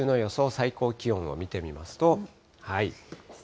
最高気温を見てみますと。